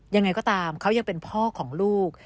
ยังไงก็ตามเขายังเป็นพ่อของลูก